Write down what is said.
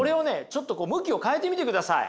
ちょっと向きを変えてみてください。